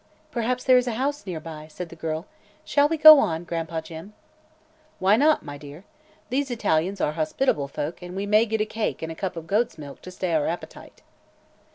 "Perhaps there is a house near by," said the girl. "Shall we go on, Gran'pa Jim?" "Why not, my dear? These Italians are hospitable folk and we may get a cake and a cup of goat's milk to stay our appetite."